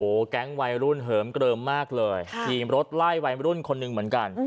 โอ้โหแก๊งวัยรุ่นเหิมเกลิมมากเลยทีมรถไล่วัยรุ่นคนหนึ่งเหมือนกัน